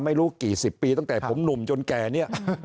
ไม่รู้กี่สิบตั้งแต่ผมหนุ่มจนแก่